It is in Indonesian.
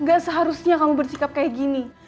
gak seharusnya kamu bersikap kayak gini